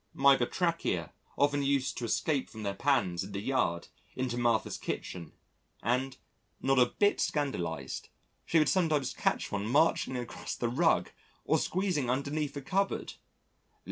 My Batrachia often used to escape from their pans in the yard into Martha's kitchen, and, not a bit scandalised, she would sometimes catch one marching across the rug or squeezing underneath a cupboard.